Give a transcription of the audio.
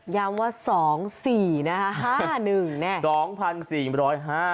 ย้ำว่า๒๔๕๑เนี่ย